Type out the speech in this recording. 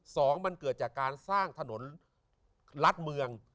สองมันเกิดจากการสร้างถนนลัดเมือง